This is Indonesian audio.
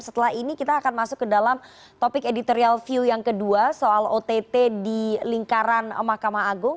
setelah ini kita akan masuk ke dalam topik editorial view yang kedua soal ott di lingkaran mahkamah agung